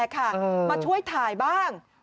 มาช่วยถ่ายบ้าง